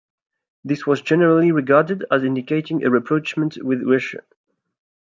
This was generally regarded as indicating a rapprochement with Russia.